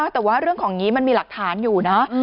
แต่ว่าเรื่องของนี้มันมีหลักฐานอยู่นะ